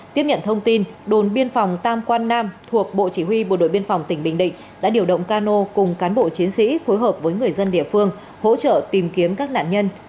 tiếp nhận thông tin đồn biên phòng tam quan nam thuộc bộ chỉ huy bộ đội biên phòng tỉnh bình định đã điều động cano cùng cán bộ chiến sĩ phối hợp với người dân địa phương hỗ trợ tìm kiếm các nạn nhân